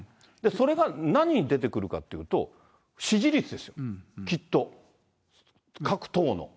それが何に出てくるかというと、支持率ですよ、きっと、各党の。